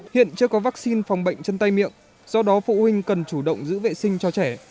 hiện chưa có vaccine phòng bệnh chân tay miệng do đó phụ huynh cần chủ động giữ vệ sinh cho trẻ